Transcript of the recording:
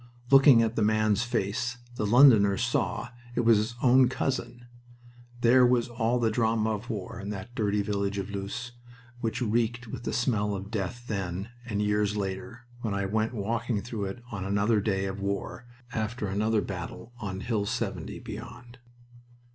Looking at the man's face, the Londoner saw it was his own cousin... There was all the drama of war in that dirty village of Loos, which reeked with the smell of death then, and years later, when I went walking through it on another day of war, after another battle on Hill 70, beyond.